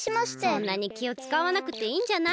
そんなにきをつかわなくていいんじゃない？